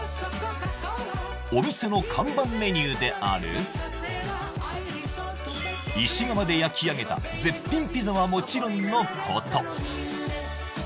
お店の看板メニューである石窯で焼き上げた絶品ピザはもちろんのこと